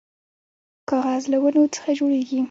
کاغذ له ونو څخه جوړیږي